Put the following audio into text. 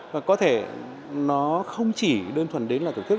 và có thể nó không chỉ đơn thuần đến là thưởng thức